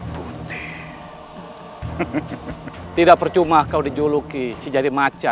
kita bisa membuka arah tak ada anyai ruang spesies juga di sana